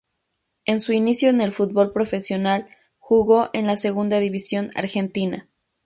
En su inicio en el fútbol profesional jugó en la segunda división argentina.